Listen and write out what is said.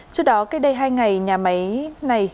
trước đó kết đây hai ngày nhà máy này